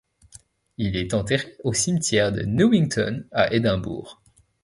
Il est enterré au cimetière de Newington à Édimbourg.